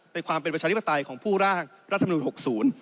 ในความเป็นประชานิปไตยของผู้ร่างรัฐมนูน๖๐